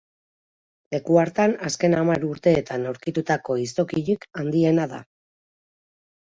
Leku hartan azken hamar urteetan aurkitutako izokinik handiena da.